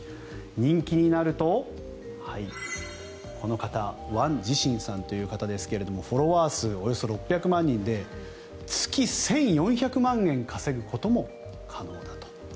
人気になると、この方ワン・ジ・シンさんという方ですがフォロワー数およそ６００万人で月１４００万円歌ってるの？